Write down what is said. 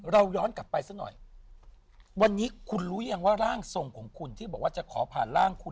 เราย้อนกลับไปซะหน่อยวันนี้คุณรู้ยังว่าร่างทรงของคุณที่บอกว่าจะขอผ่านร่างคุณ